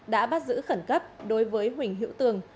đã bắt giữ khẩn cấp đối với huỳnh hữu tường